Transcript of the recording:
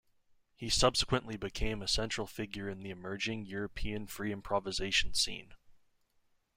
He subsequently became a central figure in the emerging European free improvisation scene.